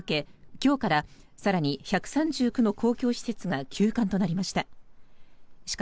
今日から更に１３９の公共施設が休館となりました。